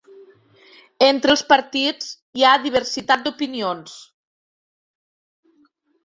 Entre els partits hi ha diversitat d’opinions.